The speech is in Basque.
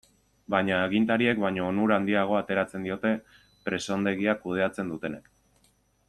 Baina agintariek baino onura handiagoa ateratzen diote presondegia kudeatzen dutenek.